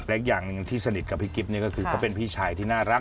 และอีกอย่างหนึ่งที่สนิทกับพี่กิ๊บนี่ก็คือเขาเป็นพี่ชายที่น่ารัก